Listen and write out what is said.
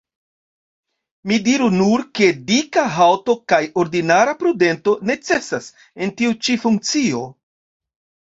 Mi diru nur, ke dika haŭto kaj ordinara prudento necesas en tiu ĉi funkcio.